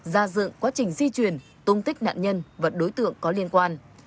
ra dựng quá trình di chuyển tung tích nạn nhân và đối tượng có liên quan